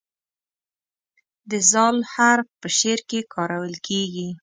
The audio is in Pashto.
د "ذ" حرف په شعر کې کارول کیږي.